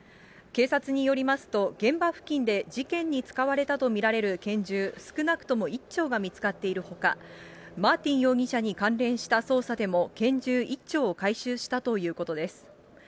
警察によりますと、現場付近で、事件に使われたと見られる拳銃少なくとも１丁が見つかっているほか、マーティン容疑者に関連した捜査でも拳銃１丁を回収したということです。